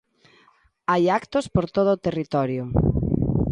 Hai actos por todo o territorio.